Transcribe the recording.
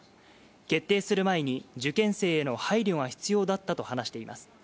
決定する前に受験生への配慮が必要だったと話しています。